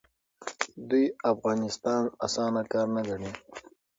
دوی افغانستان اسانه کار نه ګڼي.